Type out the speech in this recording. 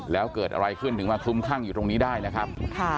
แล้วเกิดอะไรขึ้นถึงมาคลุมคลั่งอยู่ตรงนี้ได้นะครับ